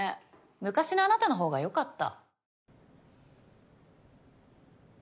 昔のあなたのほうが良かった。